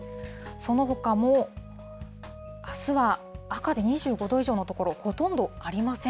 そのほかも、あすは赤で２５度以上の所、ほとんどありません。